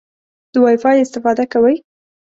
د وای فای استفاده کوئ؟